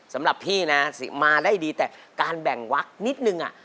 สำหรับพี่นะมาได้ดีแต่การแบ่งวักนิดนึง